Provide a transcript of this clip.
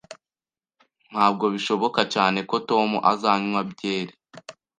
Ntabwo bishoboka cyane ko Tom azanywa byeri